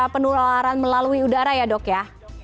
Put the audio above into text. penularan melalui udara ya dok ya